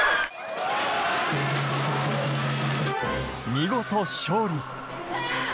見事勝利。